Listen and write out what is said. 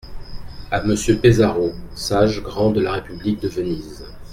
À Monsieur Pesaro, sage grand de la république de Venise.